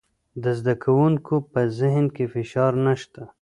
د زده کوونکو په ذهن کې فشار نشته.